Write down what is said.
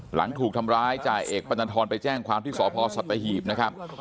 หลังถูกทำร้ายจ่าเอกปนันทรไปแจ้งความที่สพสัตหีบนะครับ